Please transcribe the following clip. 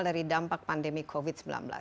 dari dampak pandemi covid sembilan belas